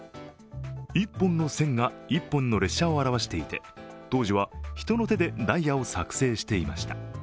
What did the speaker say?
１本の線が１本の列車を表していて当時は人の手でダイヤを作成していました。